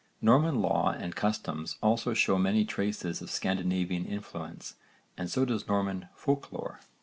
Norman law and customs also show many traces of Scandinavian influence and so does Norman folk lore.